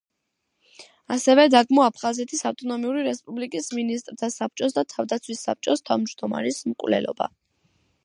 ასევე დაგმო აფხაზეთის ავტონომიური რესპუბლიკის მინისტრთა საბჭოს და თავდაცვის საბჭოს თავმჯდომარის მკვლელობა.